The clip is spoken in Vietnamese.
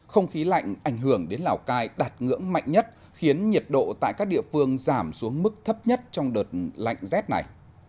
không khí lạnh ảnh hưởng đến lào cai đạt ngưỡng mạnh nhất khiến nhiệt độ tại các địa phương giảm xuống mức thấp nhất trong đợt lạnh rét này